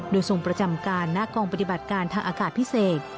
โดยทรงประจำการณกองปฏิบัติการทางอากาศพิเศษ